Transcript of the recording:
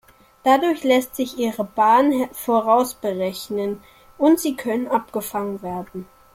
Dadurch lässt sich ihre Bahn vorausberechnen und sie können abgefangen werden.